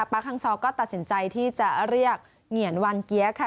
ฮังซอก็ตัดสินใจที่จะเรียกเหงียนวันเกี๊ยค่ะ